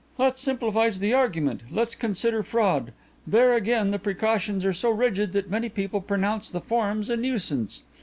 "That simplifies the argument. Let us consider fraud. There again the precautions are so rigid that many people pronounce the forms a nuisance.